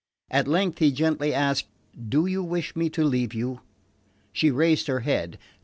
At length he gently asked, "Do you wish me to leave you?" She raised her head.